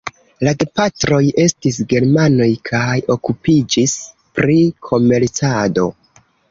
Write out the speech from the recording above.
La gepatroj estis germanoj kaj okupiĝis pri komercado.